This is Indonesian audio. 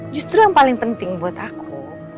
justru yang paling penting buat aku